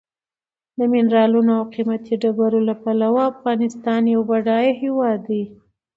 د منرالو او قیمتي ډبرو له پلوه افغانستان یو بډایه هېواد دی.